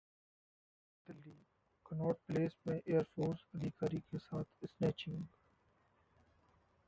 Delhi: Connaught Place में air force अधिकारी के साथ स्नैचिंग